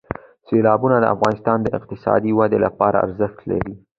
سیلابونه د افغانستان د اقتصادي ودې لپاره ارزښت لري.